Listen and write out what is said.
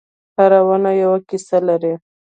هره ونه یوه کیسه لري.